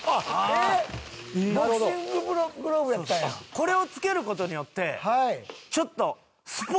「これを着ける事によってちょっと」